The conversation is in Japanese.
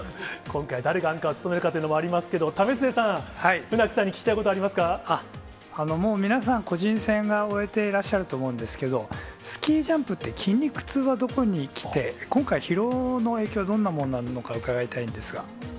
今回誰がアンカーを務めるかというのもありますけれども、為末さん、船木さんに聞きたいこもう、皆さん個人戦は終えていらっしゃると思うんですけれども、スキージャンプって、筋肉痛はどこにきて、今回、疲労の影響はどんなものなのか伺いたいんですが。